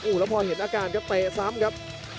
แล้วพอเห็นอาการครับเตะซ้ำครับ